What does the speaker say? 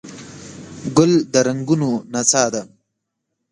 ګل د رنګونو نڅا ده.